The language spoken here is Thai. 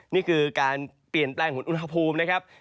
นี่คือการเปลี่ยนแปลงของอุณหภูมินะครับ